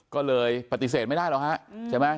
ก็เลยปฏิเสธไม่ได้หรอกฮะใช่ไหม